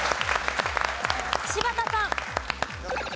柴田さん。